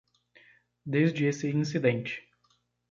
Desde esse incidente